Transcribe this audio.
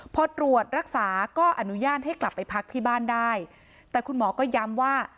พอตรวจรักษาก็อนุญาตให้กลับไปพักที่บ้านได้แต่คุณหมอก็ย้ำว่า